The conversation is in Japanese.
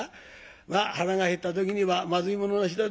まあ腹が減った時にはまずいものなしだで。